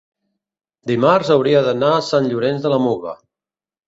dimarts hauria d'anar a Sant Llorenç de la Muga.